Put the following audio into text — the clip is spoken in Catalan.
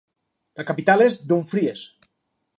La capital és Dumfries.